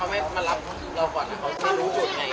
เขาไม่มารับเราก่อนนะเขาไม่รู้สุดไง